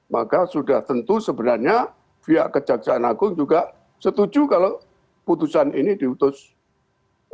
maka sudah tentu sebenarnya via kejaksaan agung juga setuju kalau putusan ini dibutuhkan secara